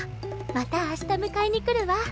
また明日迎えに来るわ。